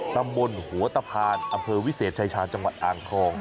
ตำบลหัวตะพานอำเภอวิเศษชายชาญจังหวัดอ่างทอง